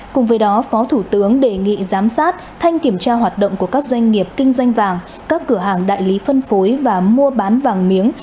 cùng với đó phó thủ tướng đề nghị giám sát thanh kiểm tra hoạt động của các doanh nghiệp kinh doanh vàng các cửa hàng đại lý phân phối và mua bán vàng miếng